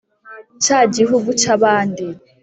cya gihugu cy'abandi,